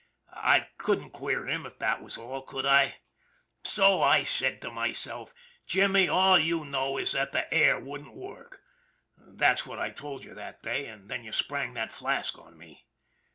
I couldn't queer him if that was all, could I ? So I said to myself, ' Jimmy, all you know is that the " air " wouldn't work.' That's what I told you that day; and then you sprang that flask on me.